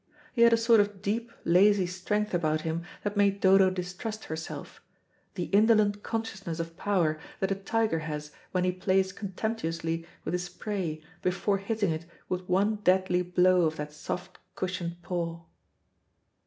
He had a sort of deep, lazy strength about him that made Dodo distrust herself the indolent consciousness of power that a tiger has when he plays contemptuously with his prey before hitting it with one deadly blow of that soft cushioned paw.